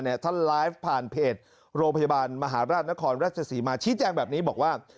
ท่านไลฟ์ผ่านเพจโรงพยาบาลมหาราชนครราชศรีมาชี้แจงแบบนี้บอกว่า